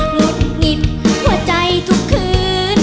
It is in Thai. หุดหงิดหัวใจทุกคืน